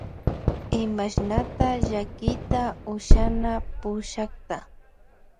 Imashnata shakiyta ushana pushakta.